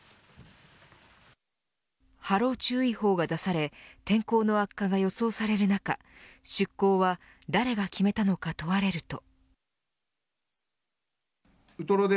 波浪注意報が出され天候の悪化が予想される中出港は誰が決めたのか問われると。